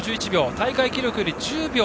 大会記録より１０秒。